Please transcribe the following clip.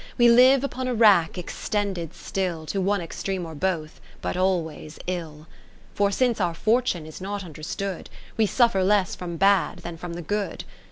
We live upon a rack extended still To one extreme or both, but always ill. 70 For since our fortune is not under stood, We suffer less from bad than from the good.